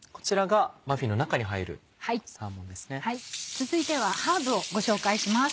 続いてはハーブをご紹介します。